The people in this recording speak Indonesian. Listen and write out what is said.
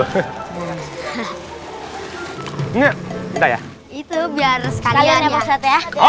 itu biar sekalian ya pak ustadz ya